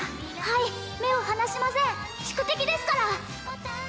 はい目を離しません宿敵ですから！